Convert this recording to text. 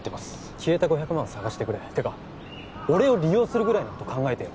消えた５００万を捜してくれてか俺を利用するぐらいのこと考えてよ